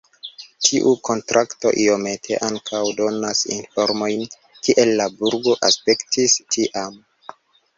Tiu kontrakto iomete ankaŭ donas informojn kiel la burgo aspektis tiam.